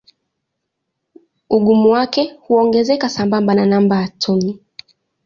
Ugumu wake huongezeka sambamba na namba atomia.